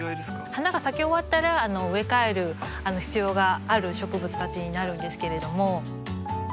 花が咲き終わったら植え替える必要がある植物たちになるんですけれども。